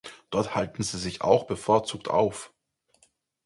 Dort halten sie sich auch bevorzugt auf.